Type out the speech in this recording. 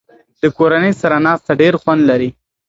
د کورنۍ سره ناسته ډېر خوند لري.